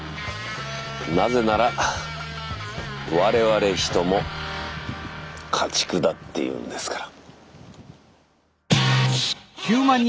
なぜなら我々ヒトも家畜だっていうんですから。